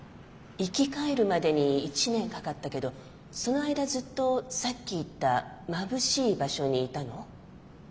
生き返るまでに１年かかったけどその間ずっとさっき言ったまぶしい場所にいたの？